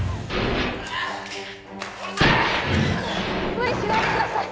無理しないでください